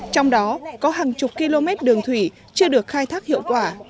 trong đó có hàng chục km đường thủy chưa được khai thác hiệu quả